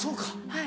はい。